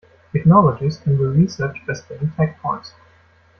Technologies can be researched by spending tech points.